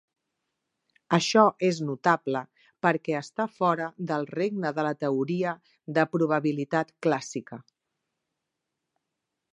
Això és notable perquè està fora del regne de la teoria de probabilitat clàssica.